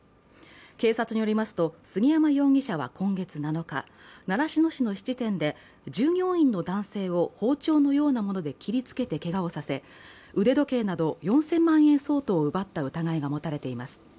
警察によりますと、杉山容疑者は今月７日、習志野市の質店で従業員の男性を包丁のようなもので切りつけてけがをさせ、腕時計など４０００万円相当を奪った疑いが持たれています。